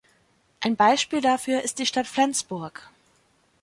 Ein Beispiel dafür ist die Stadt Flensburg.